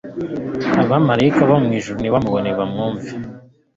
abamarayika bo mwijuru nibamubone, bamwumve